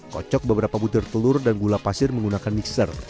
kocok beberapa butir telur dan gula pasir menggunakan mixer